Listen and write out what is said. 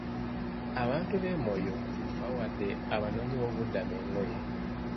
Abantu b'e Moyo bawadde abanoonyi boobubudamu engoye.